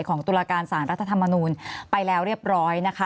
ตุลาการสารรัฐธรรมนูลไปแล้วเรียบร้อยนะคะ